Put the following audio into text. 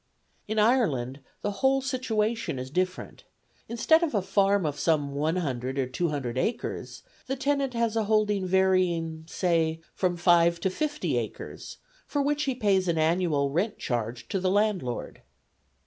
In Ireland the whole situation is different: instead of a farm of some one hundred or two hundred acres, the tenant has a holding varying, say, from five to fifty acres, for which he pays an annual rent charge to the landlord.